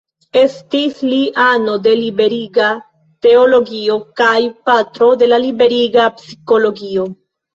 Estis li ano de Liberiga Teologio kaj patro de Liberiga Psikologio.